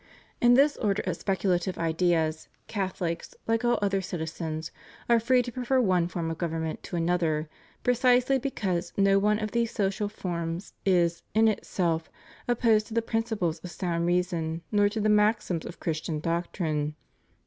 In this order of speculative ideas, Catholics, like all other citizens, are free to prefer one form of government to another precisely because no one of these social forms is, in itself, opposed to the principles of sound reason nor to the maxims of Christian doctrine.